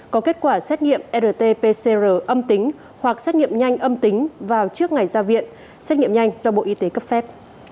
có kết quả xét nghiệm rt pcr âm tính hoặc xét nghiệm nhanh âm tính vào trước ngày ra viện xét nghiệm nhanh do bộ y tế cấp phép